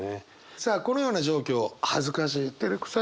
さあこのような状況恥ずかしいてれくさい。